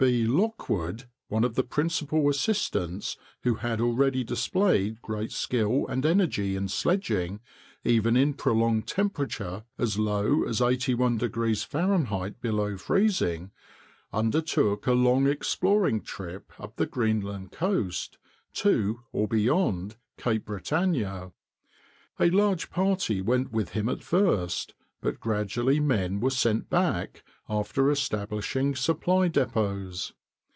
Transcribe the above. B. Lockwood, one of the principal assistants, who had already displayed great skill and energy in sledging, even in prolonged temperature as low as 81° F. below freezing, undertook a long exploring trip up the Greenland coast, to or beyond Cape Britannia. A large party went with him at first, but gradually men were sent back, after establishing supply depots.